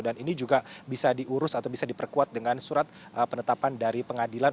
dan ini juga bisa diurus atau bisa diperkuat dengan surat penetapan dari pengadilan